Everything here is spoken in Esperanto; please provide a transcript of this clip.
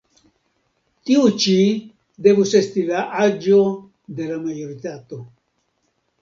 Tiu ĉi devus esti la aĝo de la majoritato».